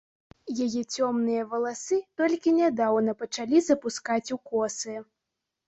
Яе цёмныя валасы толькі нядаўна пачалі запускаць у косы.